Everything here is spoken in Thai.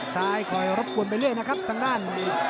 คอยรบกวนไปเรื่อยนะครับทางด้าน